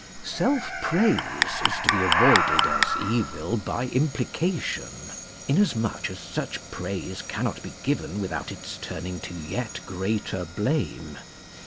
Self praise is to be avoided as evil by im plication, inasmuch as such praise cannot be given without its turning to yet greater blame.